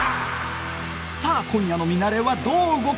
さあ今夜のミナレはどう動く！？